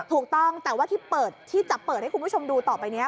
ถูกต้องแต่ว่าที่จะเปิดให้คุณผู้ชมดูต่อไปนี้